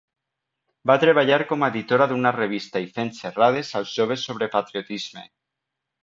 Va treballar com a editora d'una revista i fent xerrades als joves sobre patriotisme.